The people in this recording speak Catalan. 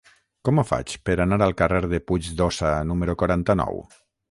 Com ho faig per anar al carrer de Puig d'Óssa número quaranta-nou?